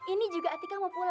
ini juga atika mau pulang